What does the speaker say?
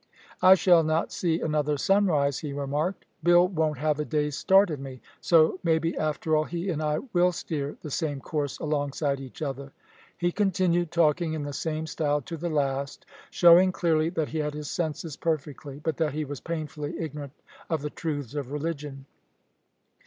"I shall not see another sunrise," he remarked. "Bill won't have a day's start of me; so, maybe, after all, he and I will steer the same course alongside each other." He continued talking in the same style to the last, showing clearly that he had his senses perfectly, but that he was painfully ignorant of the truths of religion.